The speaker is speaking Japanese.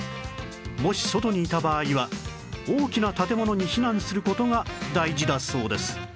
もし外にいた場合は大きな建物に避難する事が大事だそうです